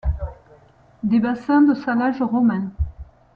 Des bassins de salage romains.